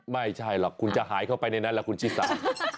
ไม่ใช่หรอกคุณจะหายเข้าไปในนั้นแหละคุณชิสา